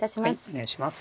お願いします。